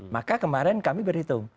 maka kemarin kami berhitung